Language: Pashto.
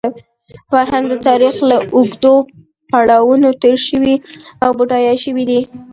فرهنګ د تاریخ له اوږدو پړاوونو تېر شوی او بډایه شوی دی.